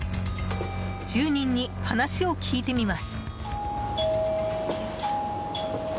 住人に話を聞いてみます。